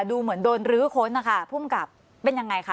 ดูเหมือนโดนรื้อค้นนะคะภูมิกับเป็นยังไงคะ